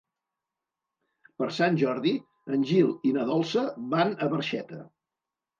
Per Sant Jordi en Gil i na Dolça van a Barxeta.